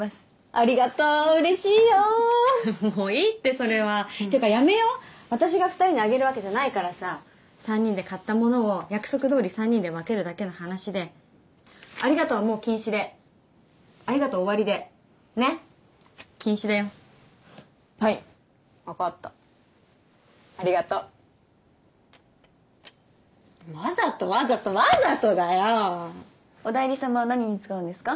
ありがとううれしいよもういいってそれはっていうかやめよう私が２人にあげるわけじゃないからさ３人で買ったものを約束どおり３人で分けるだけの話で「ありがとう」はもう禁止で「ありがとう」終わりでねっ禁止だよはいわかったありがとうわざとわざとわざとだよおだいり様は何に使うんですか？